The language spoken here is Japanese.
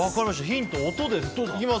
ヒント、音です。